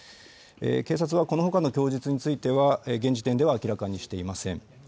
警察はこのほかの供述については、現時点では明らかにしていません。